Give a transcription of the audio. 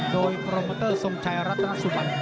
โดยโปรมอเมอร์เตอร์สมชายรัฐนาสมัน